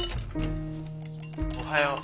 おはよう。